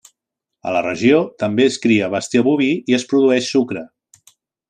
A la regió també es cria bestiar boví i es produeix sucre.